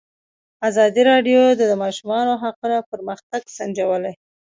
ازادي راډیو د د ماشومانو حقونه پرمختګ سنجولی.